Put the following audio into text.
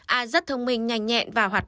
a rất thông minh nhanh nhẹn và hoạt động